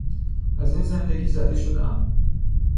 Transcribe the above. از این زندگی زده شدهام.